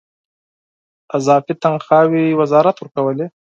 اضافي تنخواوې وزارت ورکولې.